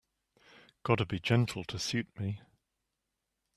Gotta be gentle to suit me.